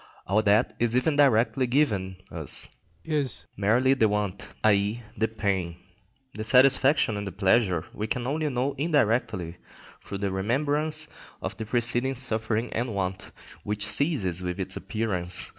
All that is even directly given us is merely the want, i.e., the pain. The satisfaction and the pleasure we can only know indirectly through the remembrance of the preceding suffering and want, which ceases with its appearance.